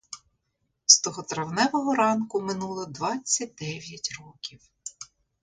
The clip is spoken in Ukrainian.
З того травневого ранку минуло двадцять дев'ять років.